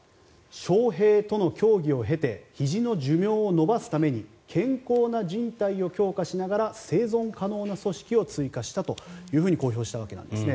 ショウヘイとの協議を経てひじの寿命を延ばすために健康なじん帯を強化しながら生存可能な組織を追加したと公表したわけなんですね。